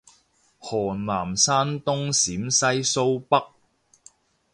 河南山東陝西蘇北